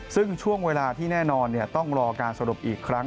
ซึ่งช่วงเวลาที่แน่นอนต้องรอการสรุปอีกครั้ง